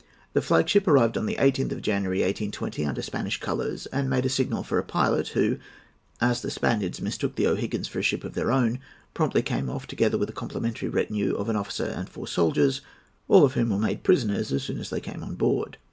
The flag ship arrived on the 18th of January, 1820, under Spanish colours, and made a signal for a pilot, who—as the Spaniards mistook the O'Higgins for a ship of their own—promptly came off, together with a complimentary retinue of an officer and four soldiers, all of whom were made prisoners as soon as they came on board.